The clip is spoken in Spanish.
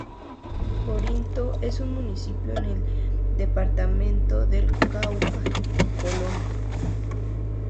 Corinto es un municipio en el departamento del Cauca, Colombia.